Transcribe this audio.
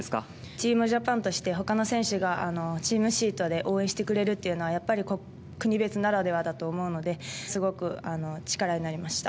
チームジャパンとして他の選手がチームシートで応援してくれるのは国別ならではだと思うのですごく力になりました。